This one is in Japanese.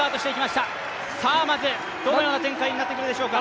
どのような展開になってくるでしょうか？